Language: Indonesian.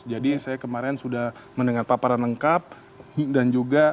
jadi saya kemarin sudah mendengar paparan lengkap dan juga